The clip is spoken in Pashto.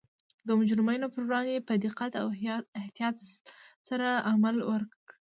د مجرمینو پر وړاندې په دقت او احتیاط سره عمل وکړي